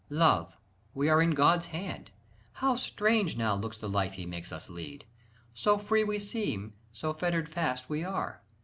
... Love, we are in God's hand. How strange now, looks the life He makes us lead! So free we seem, so fettered fast we are!